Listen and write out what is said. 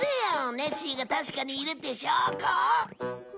ネッシーが確かにいるっていう証拠を。